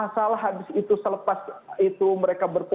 masalah habis itu selepas itu mereka berfoto